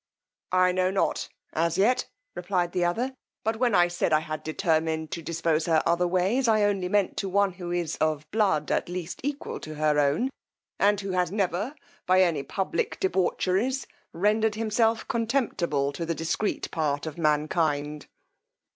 I know not as yet, replied the other, but when I said I had determined to dispose her otherways, I only meant to one who is of blood at least equal to her own, and who has never, by any public debaucheries, rendered himself contemptible to the discreet part of mankind.